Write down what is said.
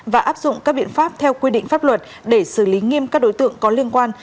và áp dụng các biện pháp theo quy định pháp luật để xử lý nghiêm các đối tượng có liên quan